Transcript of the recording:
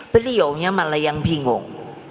beliaunya malah yang bingung